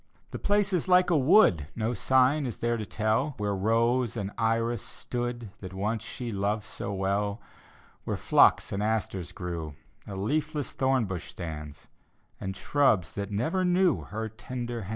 The place is like a wood; No sign is there to tell Where rose and iris stood That once she loved so well. Where phlox and asters grew, A leafless thornbush stands, And shrubs that never knew Her tender hands.